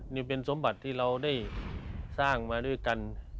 นี่เป็นสมบัติที่เราได้สร้างมาด้วยกัน